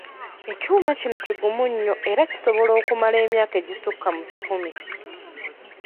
Ekyuma kino kigumu nnyo era kisobola okumala emyaka egisukka mu kikumi.